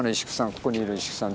ここにいる石工さん